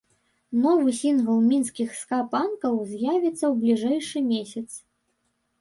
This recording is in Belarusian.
Новы сінгл мінскіх ска-панкаў з'явіцца ў бліжэйшы месяц.